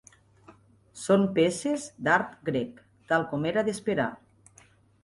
Són peces d'art grec, tal com era d'esperar.